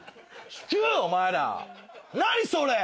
お前ら何それ！